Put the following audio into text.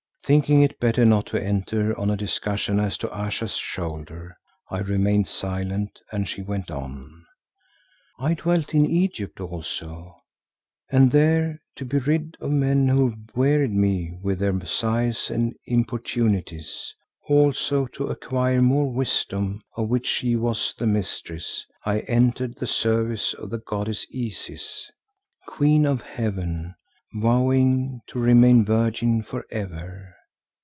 Thinking it better not to enter on a discussion as to Ayesha's shoulder, I remained silent and she went on. "I dwelt in Egypt also, and there, to be rid of men who wearied me with their sighs and importunities, also to acquire more wisdom of which she was the mistress, I entered the service of the goddess Isis, Queen of Heaven, vowing to remain virgin for ever.